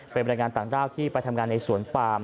เป็นบรรยายงานต่างด้าวที่ไปทำงานในสวนปาม